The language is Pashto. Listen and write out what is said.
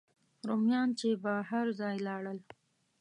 رومیان چې به هر ځای لاړل.